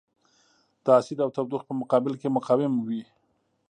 د اسید او تودوخې په مقابل کې مقاوم وي.